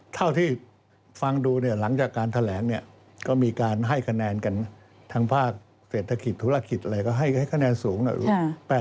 เท่าที่ฟังดูเนี่ยหลังจากการแถลงเนี่ยก็มีการให้คะแนนกันทางภาคเศรษฐกิจธุรกิจอะไรก็ให้คะแนนสูงหน่อย